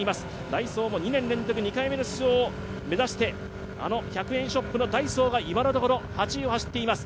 ダイソーも２年連続２回目の出場を目指してあの１００円ショップのダイソーが今のところ８位を走っています。